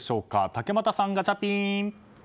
竹俣さん、ガチャピン。